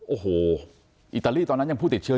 โอ้โหอิตาลีตอนนั้นยังผู้ติดเชื้อ